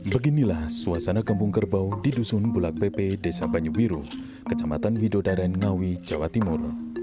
beginilah suasana kampung kerbau di dusun bulag bepe desa banyu biru kecamatan widodaran ngawi jawa timur